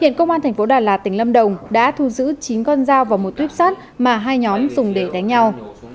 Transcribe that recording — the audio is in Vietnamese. hiện công an thành phố đà lạt tỉnh lâm đồng đã thu giữ chín con dao và một tuyếp sắt mà hai nhóm dùng để đánh nhau